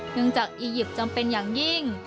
จากอียิปต์จำเป็นอย่างยิ่ง